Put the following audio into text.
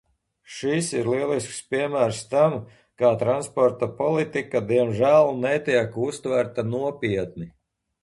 Šis ir lielisks piemērs tam, kā transporta politika diemžēl netiek uztverta pietiekami nopietni.